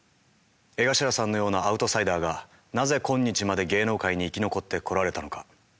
江頭さんのようなアウトサイダーがなぜ今日まで芸能界に生き残ってこられたのか？